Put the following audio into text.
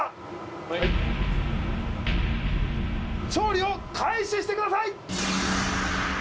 はい調理を開始してください